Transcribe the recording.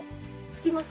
つきます。